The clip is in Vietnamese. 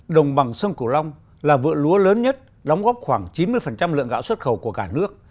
đồng bằng sông cửu long là vựa lúa lớn nhất đóng góp khoảng chín mươi lượng gạo xuất khẩu của cả nước